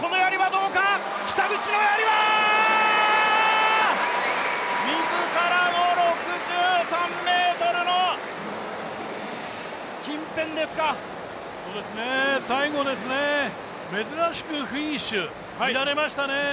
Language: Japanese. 北口のやりは自らの６３ｍの近辺ですか最後ですね、珍しくフィニッシュ乱れましたね。